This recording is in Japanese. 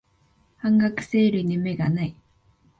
半額セールに目がない